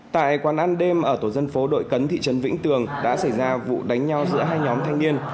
tại quán ăn đêm ở tổ dân phố đội cấn thị trấn vĩnh tường đã xảy ra vụ đánh nhau giữa hai nhóm thanh niên